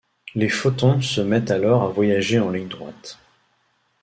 Les photons se mettent alors à voyager en ligne droite.